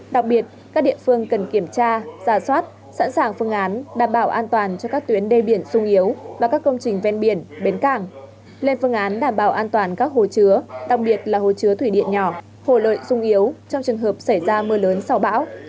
đặc biệt các địa phương cần kiểm tra giả soát sẵn sàng phương án đảm bảo an toàn cho các tuyến đê biển sung yếu và các công trình ven biển bến cảng lên phương án đảm bảo an toàn các hồ chứa đặc biệt là hồ chứa thủy điện nhỏ hồ lợi sung yếu trong trường hợp xảy ra mưa lớn sau bão